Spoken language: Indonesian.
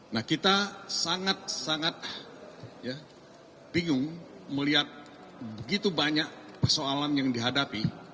nah kita sangat sangat bingung melihat begitu banyak persoalan yang dihadapi